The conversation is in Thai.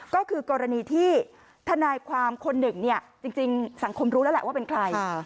ก็คือกรณีที่ทนายความคนหนึ่งเนี่ยจริงสังคมรู้แล้วแหละว่าเป็นใคร